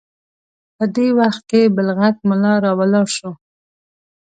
په دې وخت کې بل غټ ملا راولاړ شو.